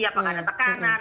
apakah ada tekanan